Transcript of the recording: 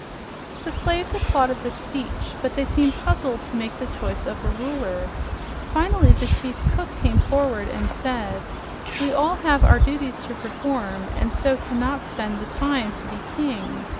The slaves applauded this speech, but they seemed puzzled to make the choice of a ruler. Finally the chief cook came forward and said, "We all have our duties to perform and so cannot spend the time to be king.